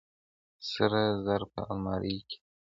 سره زر په المارۍ کې دي.